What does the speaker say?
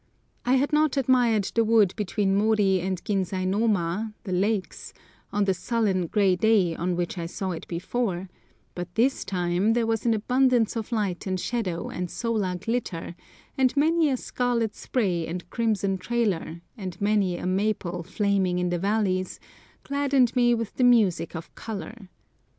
I had not admired the wood between Mori and Ginsainoma (the lakes) on the sullen, grey day on which I saw it before, but this time there was an abundance of light and shadow and solar glitter, and many a scarlet spray and crimson trailer, and many a maple flaming in the valleys, gladdened me with the music of colour.